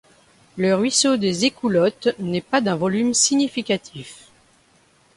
Le ruisseau des écoulottes n'est pas d'un volume significatif.